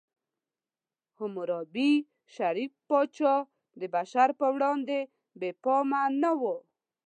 حموربي، شریف پاچا، د بشر په وړاندې بې پامه نه و.